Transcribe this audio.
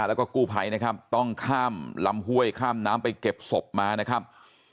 แล้วก็กู้ภัยนะครับต้องข้ามลำห้วยข้ามน้ำไปเก็บศพมานะครับ